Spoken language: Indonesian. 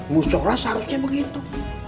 musyola seharusnya begitu